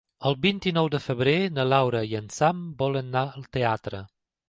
El vint-i-nou de febrer na Laura i en Sam volen anar al teatre.